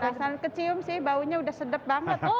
penasaran kecium sih baunya udah sedap banget